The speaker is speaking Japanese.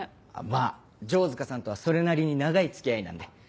まぁ城塚さんとはそれなりに長い付き合いなんで。